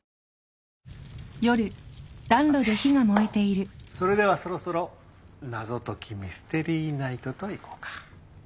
さてそれではそろそろ謎解きミステリーナイトといこうか。